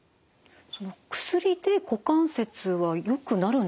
薬で股関節はよくなるんですか？